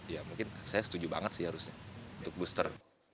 ya mungkin saya setuju banget sih harusnya untuk booster